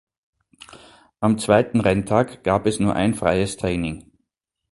Am zweiten Renntag gab es nur ein freies Training.